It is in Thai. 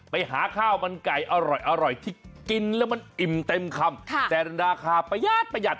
ไปหาข้าวมันไก่อร่อยที่กินแล้วมันอิ่มเต็มคำแต่ราคาประหยัดประหยัด